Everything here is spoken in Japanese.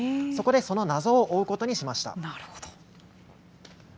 そこで、その謎を追うことにしました。